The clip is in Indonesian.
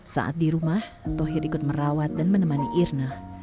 saat di rumah tohir ikut merawat dan menemani irna